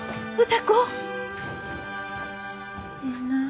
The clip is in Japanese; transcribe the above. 歌子。